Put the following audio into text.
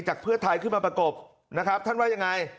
เพื่อไทยขึ้นมาประกบนะครับท่านว่ายังไง